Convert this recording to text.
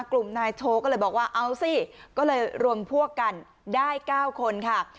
กลุ่มนายโชว์ก็เลยบอกว่าเอาสิก็เลยรวมพวกกันได้๙คนค่ะ